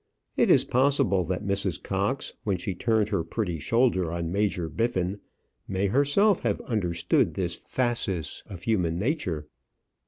It is possible that Mrs. Cox, when she turned her pretty shoulder on Major Biffin, may herself have understood this phasis of human nature.